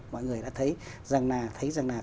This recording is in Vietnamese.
mọi người đã thấy rằng nào thấy rằng nào